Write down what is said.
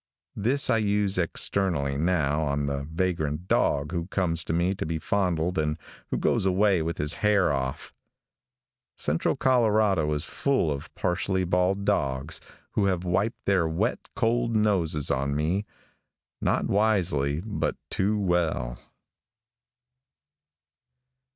This I use externally, now, on the vagrant dog who comes to me to be fondled and who goes away with his hair off. Central Colorado is full of partially bald dogs who have wiped their wet, cold noses on me, not wisely but too well.